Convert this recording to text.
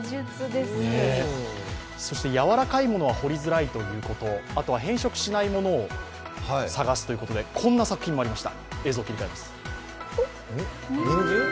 そして柔らかいものは彫りづらいということ、あとは変色しないものを探すということで、こんな作品もありました。